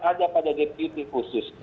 ada pada deputi khusus